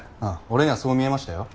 俺にはそう見えましたよ。